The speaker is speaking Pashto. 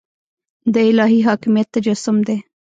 د الهي حاکمیت تجسم دی.